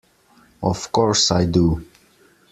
Of course I do!